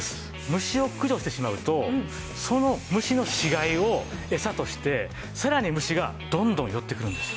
虫を駆除してしまうとその虫の死骸をエサとしてさらに虫がどんどん寄ってくるんです。